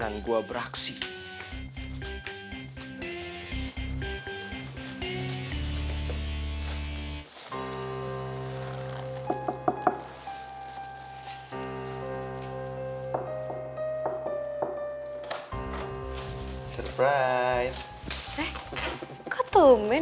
ya rabbal alamin